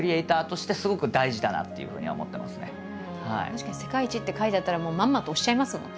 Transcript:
確かに「世界一」って書いてあったらもうまんまと押しちゃいますもん。